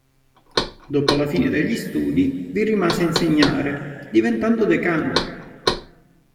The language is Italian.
Dopo la fine degli studi, vi rimase a insegnare, diventando decano.